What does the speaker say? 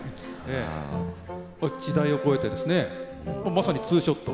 時代を超えてまさに２ショット。